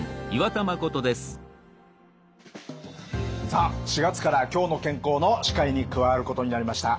さあ４月から「きょうの健康」の司会に加わることになりました